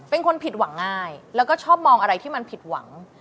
เป็นคนผิดหวังง่ายแล้วก็ชอบมองอะไรที่มันผิดหวัง